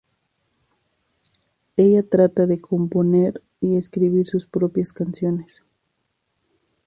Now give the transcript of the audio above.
Ella trata de componer y escribir sus propias canciones.